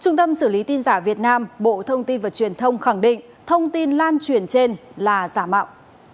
trung tâm xử lý tin giả việt nam bộ thông tin và truyền thông khẳng định thông tin lan truyền trên là giả mạo